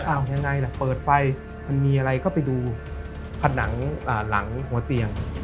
ยังไงล่ะเปิดไฟมันมีอะไรก็ไปดูผนังหลังหัวเตียง